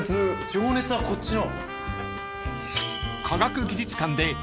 情熱はこっちの。